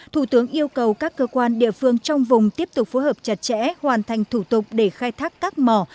thủ tướng yêu cầu các cơ quan địa phương trong vùng tiếp tục phối hợp chặt chẽ hoàn thành thủ tục để khai thác các mỏ